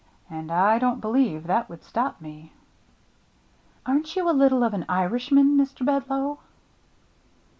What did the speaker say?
And I don't believe that would stop me." "Aren't you a little of an Irishman, Mr. Bedloe